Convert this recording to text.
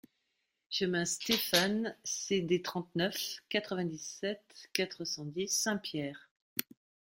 Chemin Stéphane Cdtrente-neuf, quatre-vingt-dix-sept, quatre cent dix Saint-Pierre